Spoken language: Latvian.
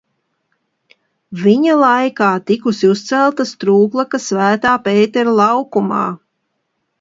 Viņa laikā tikusi uzcelta strūklaka Svētā Pētera laukumā.